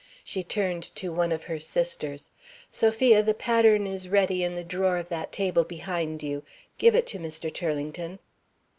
She turned to one of her sisters. "Sophia, the pattern is ready in the drawer of that table behind you. Give it to Mr. Turlington."